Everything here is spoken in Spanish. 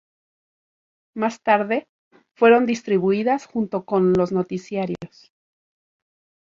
Más tarde, fueron distribuidas junto con los noticiarios.